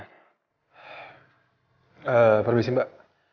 eh pak rufusin mbak